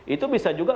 itu bisa juga